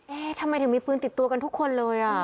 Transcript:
ทำไมถึงมีปืนติดตัวกันทุกคนเลย